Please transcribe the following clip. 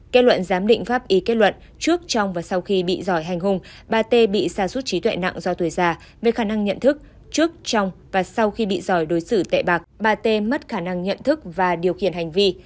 kết luận giám định pháp y kết luận trước trong và sau khi bị giỏi hành hùng bà tê bị xa suốt trí tuệ nặng do tuổi già về khả năng nhận thức trước trong và sau khi bị giỏi đối xử tệ bạc bà tê mất khả năng nhận thức và điều khiển hành vi